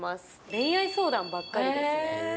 恋愛相談ばっかりですね。